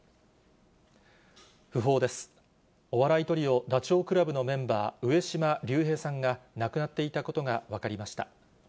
お笑いトリオ、ダチョウ倶楽部のメンバー、上島竜兵さんが、亡くなっていたことが分かりました。